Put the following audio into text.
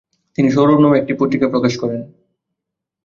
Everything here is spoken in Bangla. তিনি সৌরভ নামক একটি পত্রিকা প্রকাশ করেন।